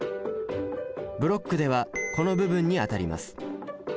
ブロックではこの部分にあたります。